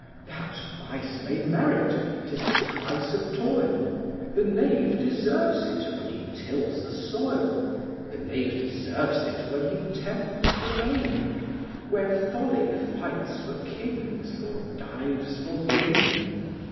That, vice may merit, 'tis the price of toil; The knave deserves it, when he tills the soil, The knave deserves it, when he tempts the main, Where folly fights for kings, or dives for gain.